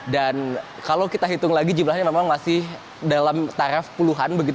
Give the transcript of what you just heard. dan kalau kita hitung lagi jumlahnya memang masih dalam taraf puluhan